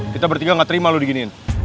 kita bertiga gak terima lo diginiin